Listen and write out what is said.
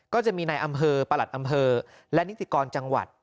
ก็จะมีในอำเภอประหลัดอำเภอและนิติกรจังหวัด